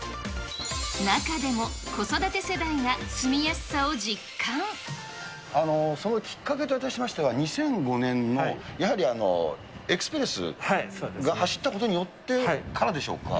中でも子育て世代が住みやすそのきっかけといたしましては、２００５年のやはりエクスプレスが走ったことによってからでしょうか。